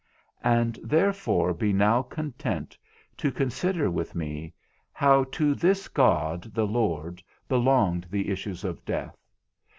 And therefore be now content to consider with me how to this God the Lord belonged the issues of death.